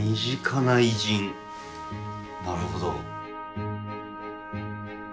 なるほど。